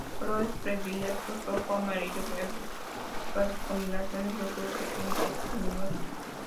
Sus colores predilectos: rojo, amarillo, verde fuerte, combinaciones de azul y tintes luminosos.